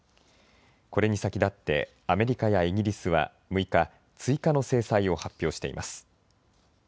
これに先立って、アメリカやイギリスは６日、追加の制裁を発表しています。